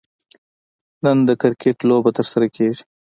نن د کرکټ لوبه ترسره کیږي